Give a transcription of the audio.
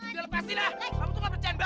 udah lepasin lah kamu tuh gak percaya banget sih